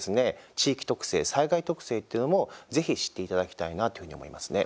地域特性、災害特性っていうのもぜひ知っていただきたいなというふうに思いますね。